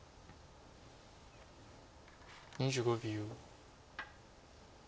２５秒。